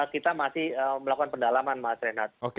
kita masih melakukan pendalaman mas renat